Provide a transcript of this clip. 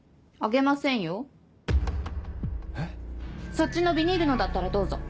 そっちのビニールのだったらどうぞ。